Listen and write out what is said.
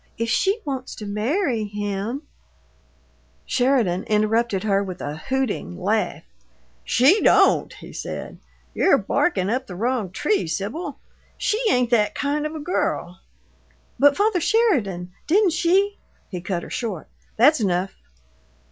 If she wants to marry him " Sheridan interrupted her with a hooting laugh. "She don't!" he said. "You're barkin' up the wrong tree, Sibyl. She ain't that kind of a girl." "But, father Sheridan, didn't she " He cut her short. "That's enough.